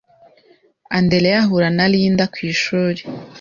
Andereya ahura na Linda ku ishuri.